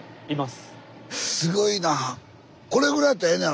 すごいな。